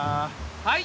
はい。